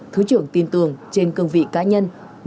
thứ trưởng tin tưởng trên cương vị cá nhân